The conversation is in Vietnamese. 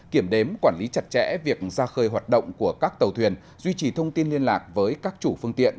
kiểm đếm quản lý chặt chẽ việc ra khơi hoạt động của các tàu thuyền duy trì thông tin liên lạc với các chủ phương tiện